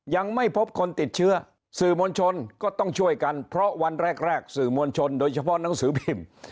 ยังไม่พบคนติดเชื้อสื่อมวลชนก็ต้องช่วยกันเพราะวันแรกสื่อมวลชนโดยเฉพาะหนังสือพิมพ์